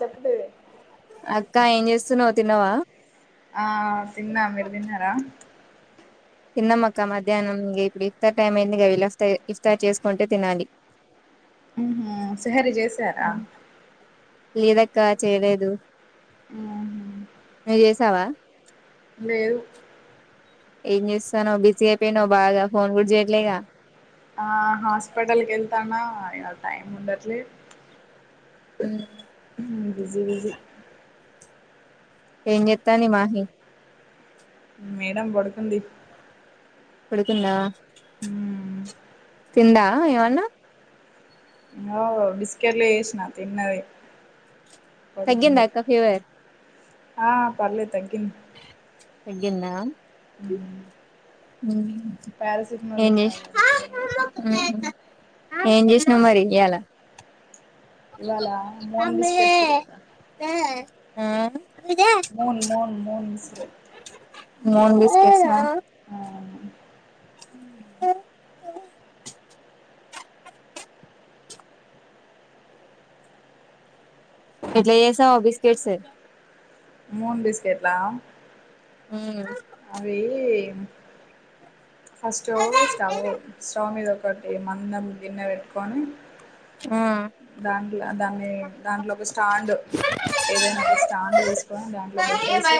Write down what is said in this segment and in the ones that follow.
చెప్పవే అక్క ఏం చేస్తున్నవ్ తిన్నవా? ఆ తిన్నా, మీరు తిన్నారా? తిన్నమ్మక్క మధ్యాహ్నం ఇగ ఇప్పుడు ఇఫ్తార్ టైమ అయిందిగ, వీళ్ళస్తె ఇఫ్తార్ చేసుకుంటే తినాలి ఉహు సహరి చేసారా? లేదక్క చేయలేదు. ఆ జేసవా? లేదు ఏం చేూస్తానవ్ బిజీ అయిపోయినవ్ బాగా, ఫోన్ కూడా చేయట్లేగా ఆ హాస్పిటల్కి వెళ్తాన్న ఇగ టైమ్ ఉండట్లే ఉమ్ బిజి బిజీ ఏం చేత్తాంది మాహి? మేడం పడుకుంది. పడుకుందా? ఉమ్ తిందా ఏమన్నా? ఆ బిస్కెట్లు చేసిన తిన్నది. పడుకుంది తగ్గిందా అక్క ఫీవర్? ఆ పర్లేదు తగ్గింది. తగ్గిందా? ఉమ్ పారాసిటమాల్ ఏం చేస్ సిరప్ వేసిన ఉమ్ తగ్గింది ఏం చేస్ నమరి ఇయాళ? ఇవాళ మోన్ బిస్కెట్స్ చేసిన ఉం moon moon moons non veg తెచ్చిన అవును ఎట్ల చేశావ్ ఆ బిస్కెట్స్ మూన్ బిస్కెట్లా ఊ అవి ఫస్ట్ స్టవ్ స్టవ్ మీద ఒకటి మందం గిన్నె పెట్టుకొని ఆ దాంట్ల దాన్ని దాంట్లో ఒక స్టాండ్ ఏదైనా ఒక స్టాండ్ తీసుకొని దాంట్లో పెట్టేసి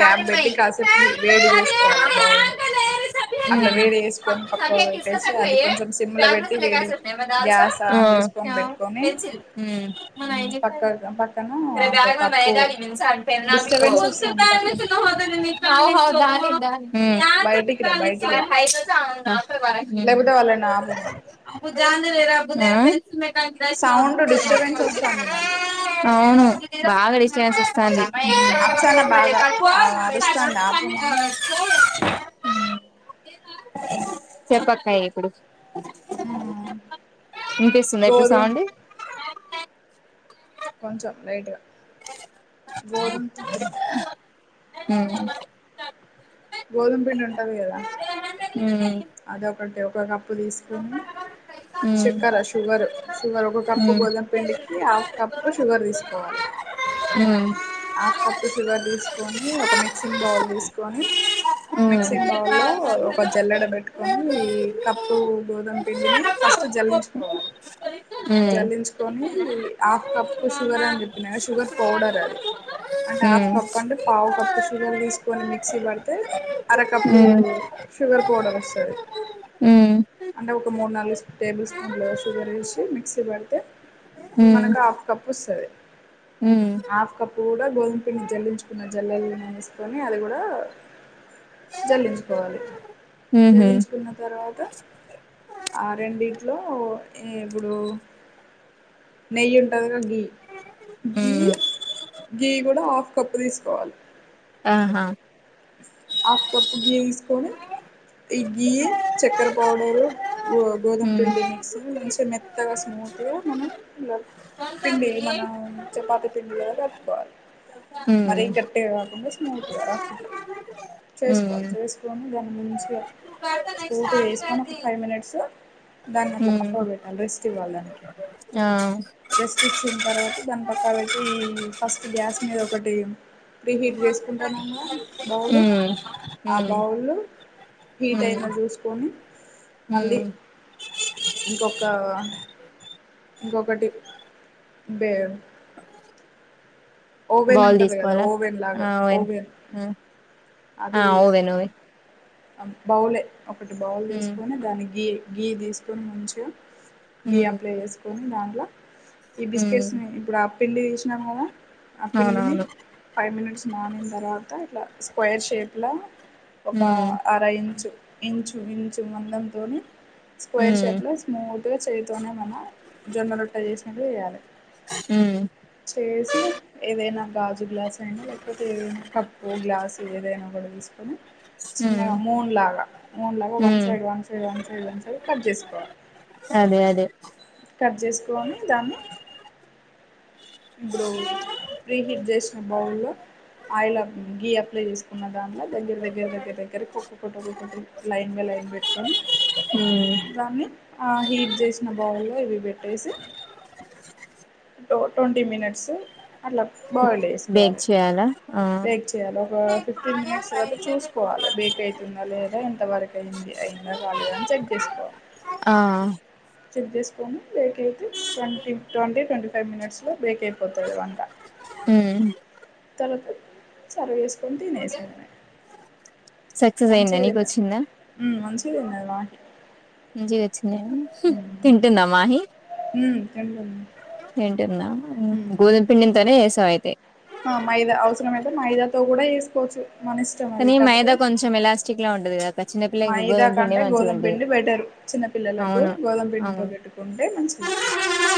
క్యాబ్ పెట్టి కాసేపు వేడి చేస్ కోవాల బౌల్ అట్లా వేడి చేసుకోని పక్కకు పెట్టేసి అది కొంచెం సిమ్ లో పెట్టి టేడు గ్యాస్ ఆన్ చేస్ ఉమ్ పక్క పక్కన ఒక కప్పు డిస్టర్బెన్స్ వస్తుంది పక్కన హౌ హౌ దాన్ని ఊ హ్మ్ బయటికి రా బయటికి రా లేకపోతే వాళ్ళని ఆపమను సౌండ్ డిస్టర్బెన్స్ వస్తుంది నాకు ఆ అవును బాగా డిస్టబెన్స్ ఇస్తాంది ఊ అప్సానా బాగా అరుస్తుంది ఆపమని చెప్పక్కాయ్ ఎప్పుడు [unintelligible] ఇన్పిస్తుందా ఇప్పుడు గోధుమ సౌండ్ కొంచం లైట్ గా గోధుం పి ఉమ్మ్ గోధుమ పిండి ఉంటది కదా అదొకటి ఒక క ప్పు తీసుకొని చెక్కెర షుగర్ ఒక కప్పు గోధుమ పిండికి హాఫ్ కప్పు షుగర్ తీసుకోవాలి ఉమ్ హాఫ్ కప్ షుగర్ తీసుకొని ఒక మిక్సింగ్ బౌల్ తీసుకొని మిక్సింగ్ బౌల్ లో ఒక జల్లెడ పెట్టు కోని ఈ కప్పు గోధుమ పిండిని ఫస్ట్ జల్లించుకోవాలి ఉమ్ జల్లించుకొని ఉమ్ హాఫ్ కప్ షుగర్ అని చెప్పినా గా షుగర్ పౌడర్ అది అంటే హాఫ్ కప్ అంటే పావు కప్పు షుగర్ తీసుకొని మిక్సీ పడితే అరకప్పు షుగర్ పౌడర్ వస్తాది ఊ అంటే ఒక మూడు నాలుగు టేబుల్ స్పూన్లు షుగర్ వేసి మిక్సీ పడితే మనకు హాఫ్ కప్ పొస్తది హాఫ్ కప్పు కూడా గోధుమ పిండి జల్లించుకున్న జల్లెలు తీసుకొని అది కూడా ఆ జల్లించుకోవాలి జల్లించుకున్న తర్వాత ఆ రెండు వీటిలో ఈ ఇప్పుడు నెయ్యి ఉంటది గా ఘి ఘీ ఘీ కూడా హాఫ్ కప్పు తీసుకోవాలి ఆహా హాఫ్ కప్పు గఘీ తీసుకొని ఈ ఘీ చక్కెర పౌడరు గో గోధుమ పిండి మిక్సీ మంచి మెత్తగా స్మూత్ గా మనం [inaudible] పిండి మనం చపాతి పిండిలా [inaudible] కోవాలి మరీ గట్టిగా కాకుండా స్మూత్ గా రఫ్ ఇట్లా చేసుకోవాలి చేసుకొని దాని మంచిగా స్కూన్ తో ఏసుకొని ఒక ఫైవ్ మినిట్స్ దాన్ని అట్లా పక్కకు పెట్టాలి రెస్ట్ ఇవ్వాలి దానికి ఆ చ్చిన తర్వాత దాని పక్కా పెట్టి ఫస్ట్ గ్యాస్ మీద ఒకటి ప్రీహీట్ చేసుకుంటానమా బౌల్ ఆ బౌల్లు హీట్ అయిన చూసుకొని మళ్ళీ ఇంకొక ఇంకొకటి బే ఓవెన్ బాల్ ఉంటుంది కదా తీసుకోవాలా ఓవెన్ లాగా ఆవుం ఓవెన్ ఆ ఆ అది ఓవేన్ ఓవే బౌలే ఒకటి బౌల్ హ్మ్ తీసుకొని దాన్ని గీ గీ తీసుకొని మంచిగా గీ హ్మ్ అప్లై వేసుకోని దాంట్లా ఈ బిస్కెట్స్ హ్మ్ ని ఇప్పుడు ఆ పిండి తీసినాం కదా ఆ పిండిని అవునవును ఫై మినిట్స్ నానింతరావత ఇట్లా స్క్వేర్ షేప్లా ఒక హ్మ్ అర ఇంచు ఇంచు ఇంచు మందంతోనీ స్క్వేర్ హ్మ్ షేప్ల లో స్మూత్ గా చేయతోనే మన జొన్న రొట్టె చేసినట్లు చేయాలే ఉహ్ తి ఏదైనా గాజు గ్లాస్ అయినా లేకపోతే ఏదైనా కప్పో గ్లాస్ ఏదైనా ఒకటి తీసుకొని హ్మ్ చిన్నగా మూన్ లాగా మూన్ న్లాగా వన్ హ్మ్ side one side one side one side cut చేసుకోవాలి అదే అదే కట్ చేసుకోని దాన్ని ఇప్పుడు ప్రీహిట్ చేసిన బౌల్ లో ఆయిల్ అప్ గీ అప్లై చేసుకున్న దానిల దగ్గర దగ్గర దగ్గర దగ్గరకి ఒక్కొక్కటి ఒక్కొక్కటి లైన్గా లైన్ పెట్టుకొని హ్మ్ ఆ హీట్ చేసిన బౌల్ లో ఇవి పెట్టేసి టో ట్వంటీ మినిట్స్ అట్లా బాయిల్డ్ బేక్ చేసుకోవాలే చేయాలా ఆ బేక్ చేయాలి ఒక ఫిఫ్టీన్ మినిట్స్ తర్వాత చూసుకోవాలి బేక్ అయి తుందా లేదా ఎంత వరకు అయింది అయిందా కాలేదా అని చెక్ చేసుకోవాలి ఆ చెక్ చేసుకొని బేక్ అయితే ట్వంటీ ట్వంటీ ట్వంటీ ఫైవ్ మినిట్స్లో బేక్ అయిపోతుంది వంట హ్మ్ తర్వాత సర్వ్ చేసుకొని తినేసెయడమే సక్సెస్ అయిందా నీకు వచ్చిందా మంచిగా తిన్నది మాహి మంచిగోచ్ నేను తింటుందా మాహీ హ్మ్ తింటుంద్ తింటుందా గోధుమ్ పిండింతోనే చేస్సావ్ అయితే ఆ మైదా అవసరమయితే మైదాతో కూడా చేసుకోవచ్చు మన ఇష్టం అది కానీ కాకపోతే మైదా కొంచెం ఎలాస్టిక్ లా ఉంటది కదా చిన్నపిల్లకి మైదా గోధుమ పిండి కంటే మంచిగా గోధుమ ఉంటది పిండి బెటరు చిన్న పిల్లలకు అవును గోధుమ పిండితో అవును పెట్టుకుంటే మంచి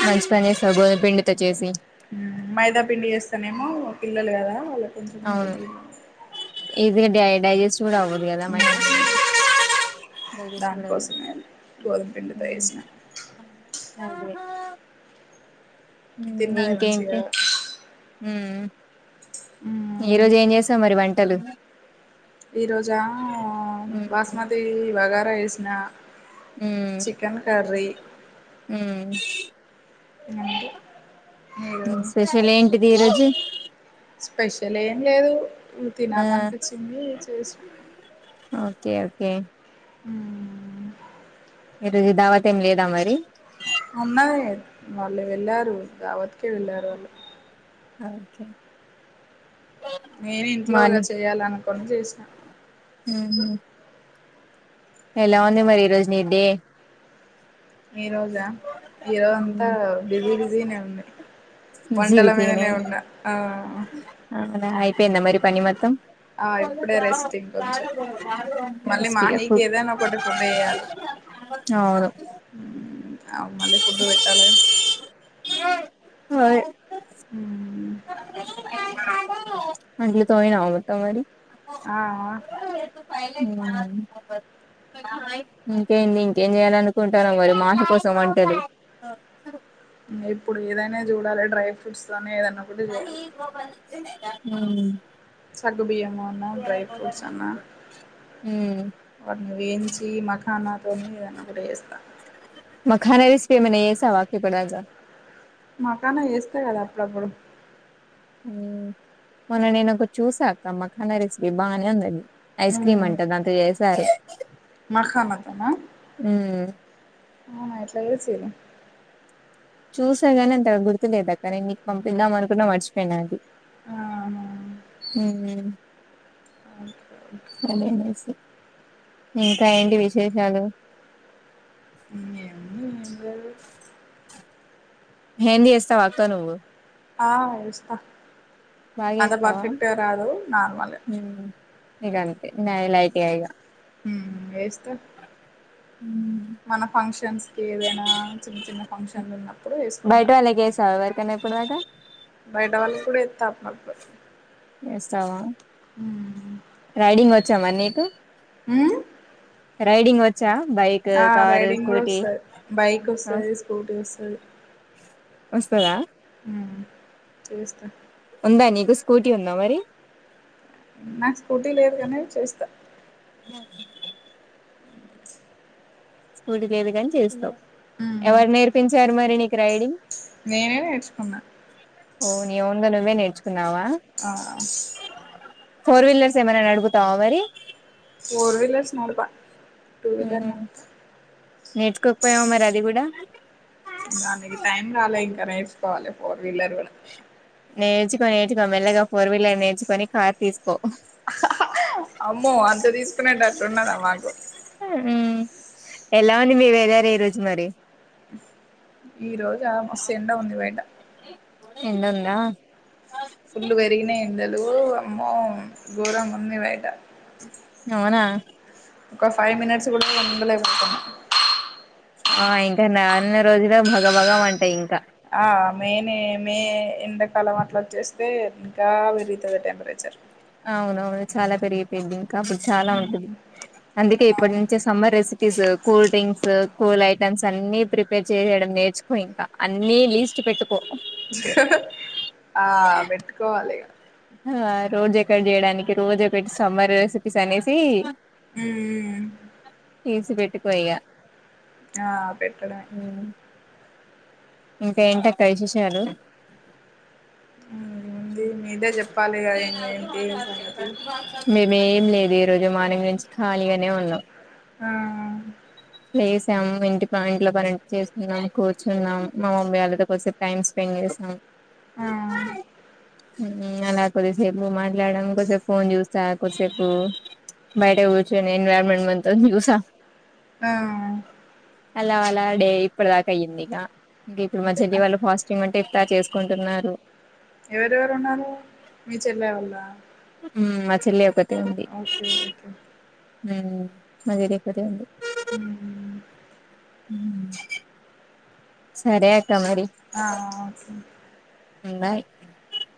మంచి పని చేసావు గోధుమ పిండితో చేసి హ్మ్ మైదా పిండి చేస్తేనేమో పిల్లలు కదా వాళ్ళు కొంచెం అవును హెల్తీ గా ఈజీగా డై డైజెస్ట్ కూడా అవ్వదు కదా మైదా డైజెస్ట్ కూడా అవ్వదు దానికోసమే గోధుమ పిండితో హు చేసిన అవ్వే తిన్నది ఇంకేంటి మంచిగా హు ఈ రోజు ఏం చేస్తావ్ మరి వంటలు ఈ రోజా ఉమ్ బాస్మతి బగారా ఏసిన ఉమ్ చికెన్ కర్రీ గా ఉమ్ అండి స్పెషల్ ఏంటిది ఈరోజు స్పెషల్ ఏం లేదు ఉ ఆ తినాలనిపించింది చేసిన ఓకే ఓకే హ్మ్ హ్మ్ ఈరుజ దావాతే ఏమి లేదా మరి ఉన్నాయి వాళ్ళు వెళ్ళారు వతికే వెళ్ళారు వాళ్ళు అకే నేను ఇంట్లోగా చేయాలనుకుని చేసినా ఉహు ఎలా ఉంది మరి ఈ రోజు నీ డే ఈ రోజా ఈరోజ అంతా ఉమ్ బిజీ బిజీనే ఉంది బిజీ వంటల మీదనే ఉన్న ఆ అద ఇపో ఎంత మరి పని మతం ఆ ఇప్పుడే రెస్ట్ ఇంకొంచెం మళ్ళీ అమ్మే మాహీకి ఏదైనా ఒకటి ఫుడ్ వేయాలి అవును ఆవు మళ ఫుడ్ పెట్టాల హ అంటల తయనా అట్ అరి ఆ ప మ ఇంకేంటి ఇంకేం చేయ్యాల అనుకుంటార మరి మాట కోసం వంటారు సర ఇప్పుడు ఏదైనా చూడాలి డ్రై ఫ్రూట్స్ తోనే ఏదైనా ఒకటి చేయాలి అ మ మ సగు బియ్యమ అన్నా డ్రై ఫ్రూట్స్ అన్నా మ్మ్ వాటిని వేయించి మఖానాతోనే ఏదన్నా కూడా వేస్తాను ఫ మ ఏసా వాక్య ప రాజా మకాన వేస్తా కదా అప్పుడప్పుడు మొన్న నేను ఒక చూసాకమ్మాఖన్న రెసిపీ బాగానే ఉందిది ఐస్ క్రీమ్ అంటే దాంతో చేసారు మఖ మతనా మ్మ్ ఆ మాయట్లాదుచను చూసా గాని అంత గుర్తు లేదాక్క నేనుీకు పంపిద్దాం అనుకున్నా మర్చిపోయినా అడి ఆహా! హ అ స అనేసి ఇంకా ఏంటి విశేషాలు ఇ ఎన్నందారు హెందీ ఎస్తా వాక్క నువ్వు ఆ ఇస్తా బాగా అంత ఏస్తావా పర్ఫెక్ట్గా రాదు నార్మల్ ఇగ అంతే నన్యలాయితేయా ఇక వేజత మన ఫంక్షన్స్ కి ఏదైనా చిన్న చిన్న ఫంక్షన్లు ఉన్నప్పుడు వేసుకుంటాం సవర్క బయట వాళ్ళకి కూడా ఎత్తా అ మ చేస్తావా రైడింగ్ వచ్చామా నీకు అ చ్చ బైక్ కార్ కూడా స్కూటీ వస్తది బైక్ వస్తది స్కూటీ వస్తది వస్తారా చేస్తా ఉందా నీకు స్కూటీ ఉందా మరి నాకు స్కూటీ లేదుకనేవి చేస్తా స్కూటీ లేదు కాని చేస్తావు హ్మ్. ఎవరు నేర్పించారు మరి నీకు రైడింగ్ నేనే నేర్చుకున్నా ఓ న ఒంద నువ్వే నేర్చు ఆ ఫోర్ వీలర్స్ ఏమైనా అడుగుతావా మరి ఫోర్ వీలర్స్ నాడుపా టూ వీలర్ మ్మ్ నేర్చుకోకపోయావా మరి అది కూడా దానికి టైం రాలే ఇంకా నేర్చుకోవాలి ఫోర్ వీలర్ కూడా నేర్చుకో నేర్చుకో మెల్లగా ఫోర్ వీలర్ నేర్చుకొని కార్ తీసుకో అమ్మో అంత తీసుకునేటట్టు ఉన్నదా మాకు ఉ ఎలా ఉంది మీ వ వెేదార ఈ రోజు మరి ఈ రోజా ఆ మస్తు ఎండ ఉంది బయట ఎండ ఉందా ఫుల్లు పెరిగిన ఎండలు అమ్మో గోరం ఉంది బయట అవునా ఒక ఫైవ్ మినిట్స్ కూడా ఉండలేపోతుం ఆ ఇంకా నాన్న రోజులు భగభగం అంటాయి ఇంకా ఆ మేనే మే ఎండాకాలం అట్లాచ్చేస్తే ఇంకా పెరుగుతుంది టెంపరేచర్ అవునవును చాలా పెరిగిపోయింది ఇంకా అప్పుడు చాలా ఉంటంది అందుకే ఇప్పటి అవును నుంచే summer recipes cool drinks cool items అన్ని ప్రిపేర్ చేయడం నేర్చుకో ఇంకా అన్ని లీస్ట్ పెట్టు ఆ పెట్టుకోవాలి ఆ రోజు ఎక్కటి చేయడానికి రోజు ఒకటి సమ్మర్ రెసిపీస్ అనేసి ఉమ్ తీటీసి పెట్టిపోయ్యా ఆ పెట్టడం ఆ ఇంకా ఏంటక్క విశేషాలు అ ఏం సంగతి మేమ లే ఈరోజు మార్నింగ్ నుంచి ఖాళీగానే ఉన్నాం ఆ ప్లేస్ ఇంటి ఇంట్లో పని చేస్తున్నాం కూర్చున్నాం మా మమ్మీ వాళ్ళతోసే టైమ్ స్పెండ్ చేస్తాం సం ఆ అలా కొద్దిసేపు మాట్లాడడంకోసేపు ఫోన్ చూస్త చకు కాసేపు బయట కూర్చుని ఎన్వైరన్మెంట్ మొత్తం చూసా ఆ అలా అలా డే ఇప్పుడు దాకా అయ్యంది ఇక ఇంకా ఇప్పుడు మా అంతేనా చెల్లి వాళ్ళ ఫాస్టియంగ్ అంటే ఇ కుంటున్నారు ఎవరెవరు ఉన్నారు మీ చెల్ల వల్ళ మ చెల్లి ఒకతె ఓకే ఓకే మ చెల్లి ఒకతె ఉంది ఉహు సరే అక్ ఆ ఆ ఓకే [unintelligible]